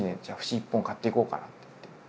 じゃあ節一本買っていこうかな」って言って。